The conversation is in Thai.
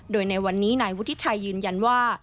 โดยในวันนี้นายวุฒิชัยยืนยันว่า